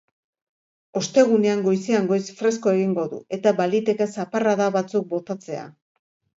Ostegunean, goizean goiz fresko egingo du, eta baliteke zaparrada batzuk botatzea.